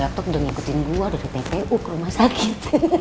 laptop udah ngikutin gua dari ppu ke rumah sakit